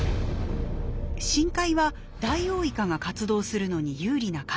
深海はダイオウイカが活動するのに有利な環境。